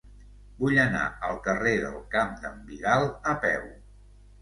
Vull anar al carrer del Camp d'en Vidal a peu.